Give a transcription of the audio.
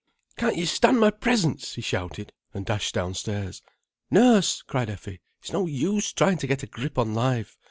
"Can't you stand my presence!" he shouted, and dashed downstairs. "Nurse!" cried Effie. "It's no use trying to get a grip on life.